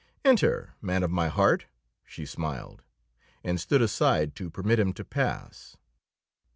"Enter, man of my heart," she smiled, and stood aside to permit him to pass.